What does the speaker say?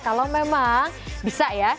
kalau memang bisa ya